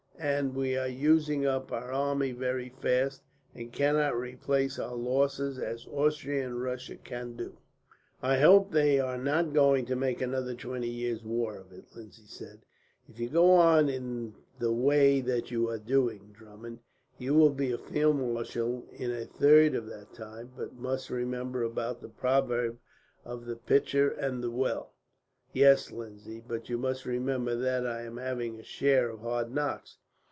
And we are using up our army very fast, and cannot replace our losses as Austria and Russia can do." "I hope they are not going to make another twenty years' war of it," Lindsay said. "If you go on in the way that you are doing, Drummond, you will be a field marshal in a third of that time; but you must remember about the proverb of the pitcher and the well." "Yes, Lindsay, but you must remember that I am having a share of hard knocks.